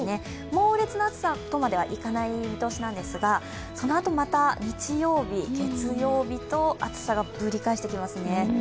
猛烈な暑さとまではいかない見通しなんですがその後また日曜日、月曜日と暑さがぶり返してきますね。